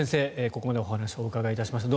ここまでお話をお伺いしました。